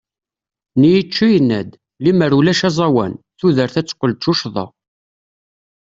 Nietzsche yenna-d: Lemmer ulac aẓawan, tudert ad teqqel d tuccḍa.